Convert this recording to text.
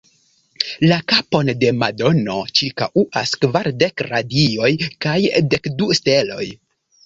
La kapon de Madono ĉirkaŭas kvardek radioj kaj dek du steloj.